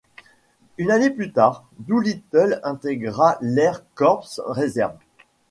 Une année plus tard, Doolittle intégra l'Air Corps Reserve.